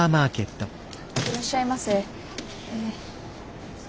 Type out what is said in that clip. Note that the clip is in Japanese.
いらっしゃいませ。